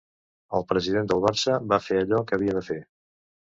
El president del Barça va fer allò que havia de fer.